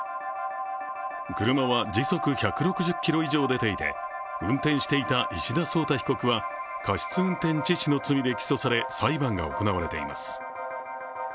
車は時速１６０キロ以上出ていて運転していた石田颯汰被告は過失運転致死の罪で起訴され、裁判が行われています。